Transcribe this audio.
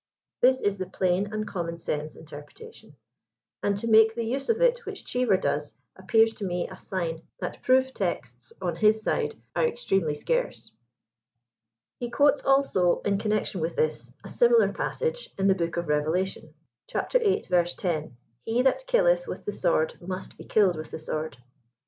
'* This is the plain and common sense interpre tation, and to make the use of it which Cheever does, appears to me a sign that proof texts on his side are extremely scarce. He quotes also, in connection with this, a similar passage in the book of Revelation; (xiii. 10) "he that killeth with the sword must be killed with the sword."